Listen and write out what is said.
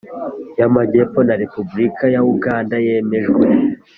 y Amajyepfo na Repubulika ya Uganda yemejwe